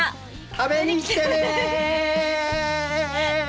食べに来てね！